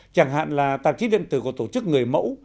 chẳng hạn là tạp chí điện tử của tổ chức người mẫu